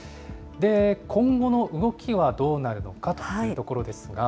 今後の動きはどうなるのかというところですが。